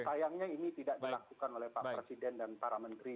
sayangnya ini tidak dilakukan oleh pak presiden dan para menteri